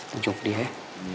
tunjuk dia ya